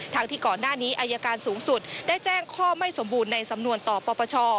ที่ก่อนหน้านี้อายการสูงสุดได้แจ้งข้อไม่สมบูรณ์ในสำนวนต่อปปช